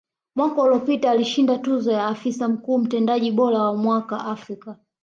Mwaka uliopita alishinda tuzo ya Afisa Mkuu Mtendaji bora wa Mwaka Afrika